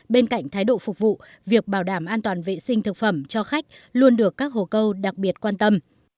bên cạnh thái độ phục vụ việc bảo đảm an toàn vệ sinh thực phẩm cho khách luôn được các hồ câu đặc biệt quan tâm